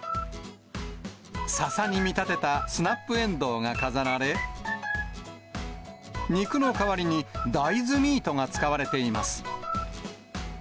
ささに見立てたスナップエンドウが飾られ、肉の代わりに大豆ミートが使われています。